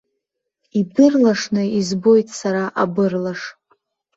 Ибырлашны избоит сара абырлаш.